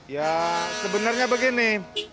ya sebenarnya begini